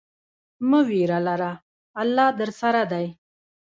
مه ویره لره، الله درسره دی.